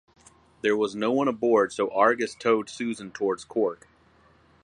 There was no one aboard so "Argus" towed "Susan" towards Cork.